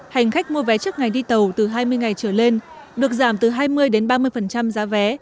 hành khách mua vé trước ngày đi tàu từ hai mươi ngày trở lên được giảm từ hai mươi đến ba mươi giá vé